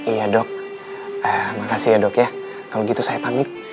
iya dok makasih ya dok ya kalau gitu saya pamit